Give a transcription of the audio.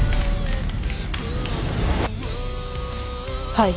はい。